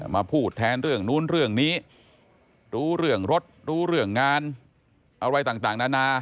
มาพูดแทนเรื่องนู้นเรื่องนี้รู้เรื่องรถรู้เรื่องงานอะไรต่างนานา